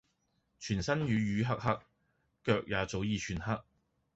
全身瘀瘀黑黑，腳也早已全黑